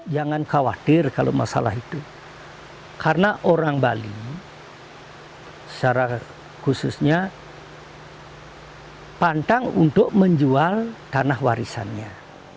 jangan khawatir kalau masalah itu karena orang bali secara khususnya pantang untuk menjual tanah warisannya